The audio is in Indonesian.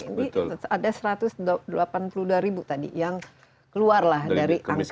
ini ada satu ratus delapan puluh dua ribu tadi yang keluar lah dari angka ini